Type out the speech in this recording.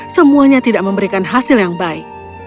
semuanya tidak memberikan hasil yang baik